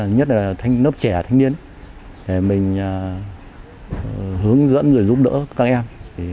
nhất là lớp trẻ thanh niên để mình hướng dẫn rồi giúp đỡ các em